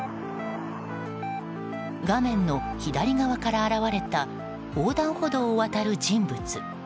画面の左側から現れた横断歩道を渡る人物。